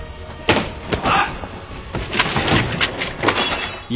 おい！